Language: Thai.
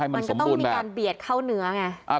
มันก็ต้องมีการเบียดเข้าเนื้อไง